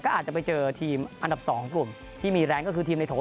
ก็อาจจะไปเจอทีมอันดับ๒กลุ่มที่มีแรงก็คือทีมในโถ